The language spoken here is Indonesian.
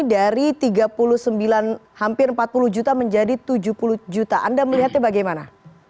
dari tiga puluh sembilan hampir empat puluh juta menjadi tujuh puluh juta anda melihatnya bagaimana